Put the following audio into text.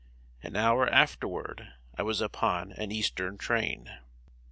An hour afterward I was upon an eastern train.